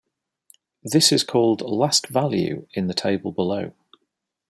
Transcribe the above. This is called "last value" in the table below.